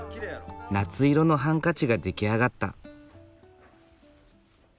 夏色のハンカチが出来上がった。